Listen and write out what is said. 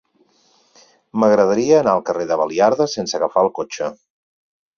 M'agradaria anar al carrer de Baliarda sense agafar el cotxe.